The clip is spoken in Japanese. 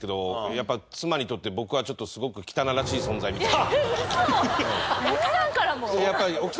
やっぱ妻にとって僕はちょっとすごく汚らしい存在みたいで。